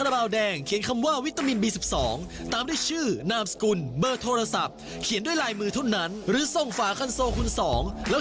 พักคำว่ารูดพูดคำว่ารักเลย